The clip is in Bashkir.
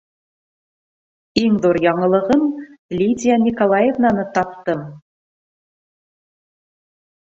Иң ҙур яңылығым — Лидия Николаевнаны таптым.